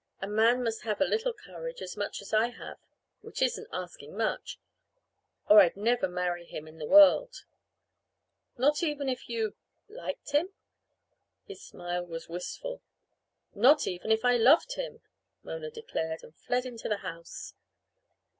A man must have a little courage as much as I have; which isn't asking much or I'd never marry him in the world." "Not even if you liked him?" his smile was wistful. "Not even if I loved him!" Mona declared, and fled into the house.